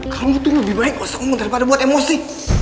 kamu tuh lebih baik ngosok ngomong daripada buat emosi